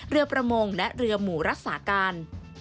เรือประมงและเรือหมู่รักษาการ